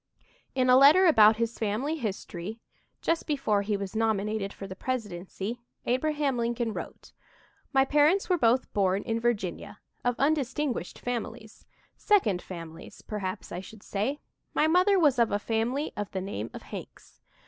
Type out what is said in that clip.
'" In a letter about his family history, just before he was nominated for the presidency, Abraham Lincoln wrote: "My parents were both born in Virginia, of undistinguished families second families, perhaps I should say. My mother was of a family of the name of Hanks.